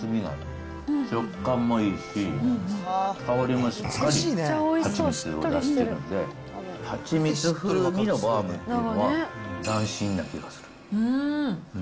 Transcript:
食感もいいし、香りもしっかりはちみつを出してるんで、はちみつ風味のバウムっていうのは斬新な気がする。